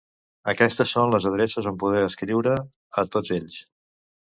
Aquestes són les adreces on poder escriure a tots ells.